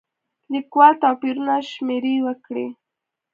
لیکوال توپیرونه شمېرې وکړي.